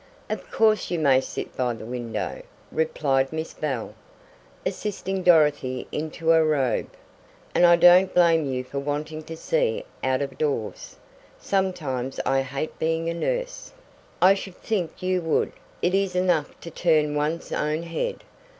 "Of course you may sit by the window," replied Miss Bell, assisting Dorothy into a robe. "And I don't blame you for wanting to see out of doors. Sometimes I hate being a nurse." "I should think you would. It is enough to turn one's own head.